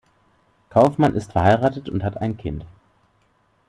Kaufmann ist verheiratet und hat ein Kind.